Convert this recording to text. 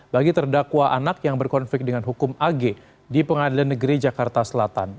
bagi terdakwa anak yang berkonflik dengan hukum ag di pengadilan negeri jakarta selatan